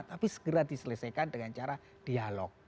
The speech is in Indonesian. tapi segera diselesaikan dengan cara dialog